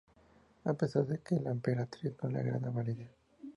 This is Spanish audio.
A pesar de que la emperatriz no le agradaba la idea.